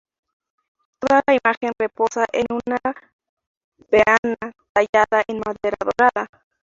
Toda la imagen reposa en una peana tallada en madera dorada.